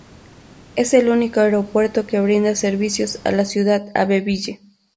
Es el único aeropuerto que brinda servicios a la ciudad Abbeville.